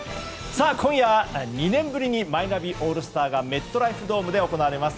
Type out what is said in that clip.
今夜は２年ぶりにマイナビオールスターがメットライフドームで行われます。